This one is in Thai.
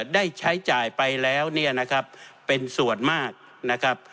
ได้ใช้จ่ายไปแล้วเนี่ยนะครับเป็นส่วนมากนะครับ